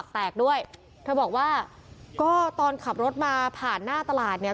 แตกด้วยเธอบอกว่าก็ตอนขับรถมาผ่านหน้าตลาดเนี่ย